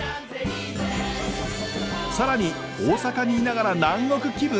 更に大阪に居ながら南国気分！？